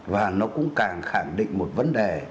và nó cũng càng khẳng định một vấn đề